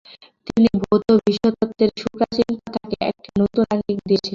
তিনি ভৌত বিশ্বতত্ত্বের সুপ্রাচীন প্রথাকে একটি নতুন আঙ্গিক দিয়েছিলেন।